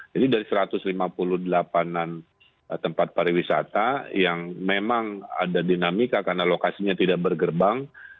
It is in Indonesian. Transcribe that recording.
jadi dari satu ratus lima puluh delapan an tempat pariwisata yang memang ada dinamika karena lokasinya tidak bergerbang